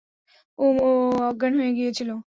উম, ও, ও অজ্ঞান হয়ে গিয়েছিল।